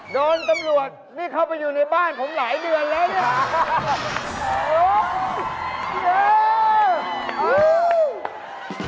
โดนตำรวจนี่เข้าไปอยู่ในบ้านผมหลายเดือนแล้วเนี่ย